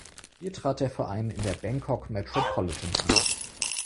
Hier trat der Verein in der Bangkok Metropolitan an.